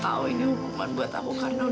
saya yang selalu ingat impas aku